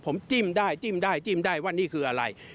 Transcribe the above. พี่ตลกว่าพลตำรวจเอกคือ